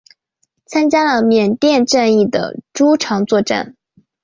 参加了缅甸战役的诸场作战。